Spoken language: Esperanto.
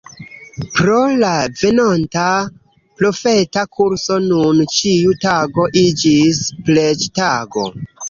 Pro la venonta profeta kurso nun ĉiu tago iĝis preĝtago.